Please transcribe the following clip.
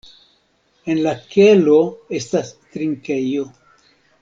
En la kelo estas trinkejo.